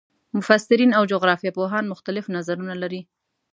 مفسرین او جغرافیه پوهان مختلف نظرونه لري.